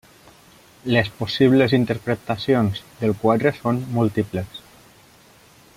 Les possibles interpretacions del quadre són múltiples.